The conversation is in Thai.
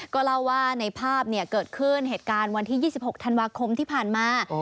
ก็เล่าว่าในภาพเกิดขึ้นเหตุการณ์วันที่๒๖ธันวาคมที่ผ่านมา